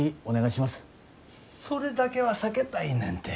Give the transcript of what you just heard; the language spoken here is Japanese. それだけは避けたいねんて。